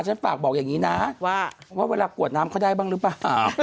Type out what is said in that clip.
ฉันฝากบอกอย่างนี้นะว่าเวลากวดน้ำเขาได้บ้างหรือเปล่า